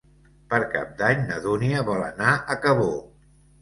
Per Cap d'Any na Dúnia vol anar a Cabó.